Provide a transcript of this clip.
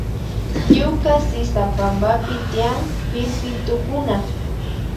Ñuka sisapampapi tiyan pillpintukuna